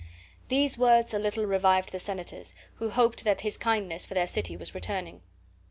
These words a little revived the senators, who hoped that his kindness for their city was returning.